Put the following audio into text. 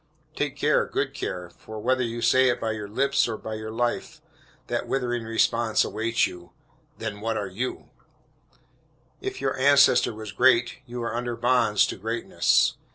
Take care, good care; for whether you say it by your lips or by your life, that withering response awaits you "then what are you?" If your ancestor was great, you are under bonds to greatness.